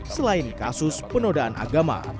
selain kasus penodaan agama